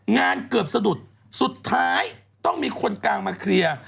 งานเกือบสะดุดสุดท้ายต้องมีคนกลางมาเคลียร์